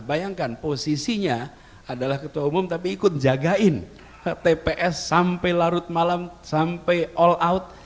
bayangkan posisinya adalah ketua umum tapi ikut jagain tps sampai larut malam sampai all out